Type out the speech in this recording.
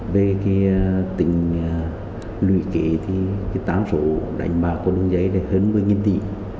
về tỉnh lùi kể táng phổ đánh bạc của đường dây là hơn một mươi tỷ